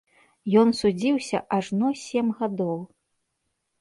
Ён судзіўся ажно сем гадоў!